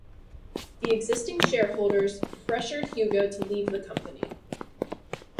The existing shareholders pressured Hugo to leave the company.